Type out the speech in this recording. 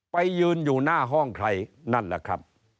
ไปยืนอยู่หน้าห้องใครนั่นแหละครับ